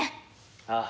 ああ。